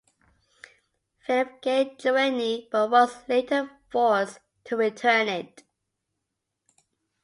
Philip gained Guienne but was later forced to return it.